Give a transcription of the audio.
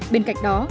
bên cạnh đó